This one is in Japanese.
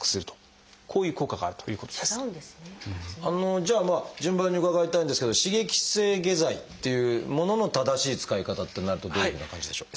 じゃあ順番に伺いたいんですけど刺激性下剤っていうものの正しい使い方ってなるとどういうふうな感じでしょう？